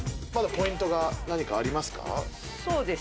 まだポイントが何かありますか？